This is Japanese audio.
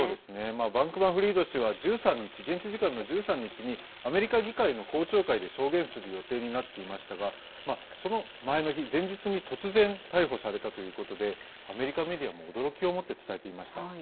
バンクマンフリード氏は現地時間の１３日にアメリカ議会の公聴会で証言する予定になっていましたがその前の日、前日に突然逮捕されたということでアメリカメディアも驚きをもって伝えていました。